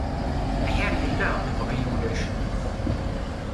Lḥir yella, lebɣi ulac.